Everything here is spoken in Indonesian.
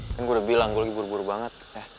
kan gue udah bilang gue lagi buru buru banget